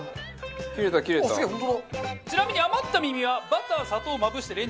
ちなみに余った耳はバター砂糖をまぶしてレンチン。